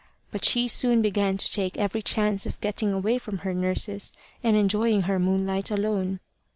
But she soon began to take every chance of getting away from her nurses and enjoying her moonlight alone.